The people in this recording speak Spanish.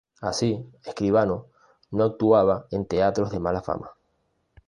Así, Escribano no actuaba en teatros de mala fama.